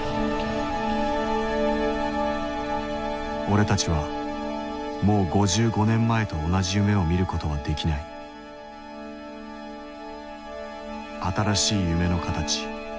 俺たちはもう５５年前と同じ夢を見ることはできない新しい夢の形。